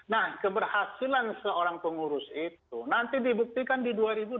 nah keberhasilan seorang pengurus itu nanti dibuktikan di dua ribu dua puluh